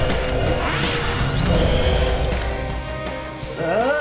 さあ